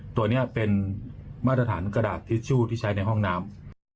ตัวนี้เป็นมาตรฐานกระดาษทิชชู่ที่ใช้ในห้องน้ำ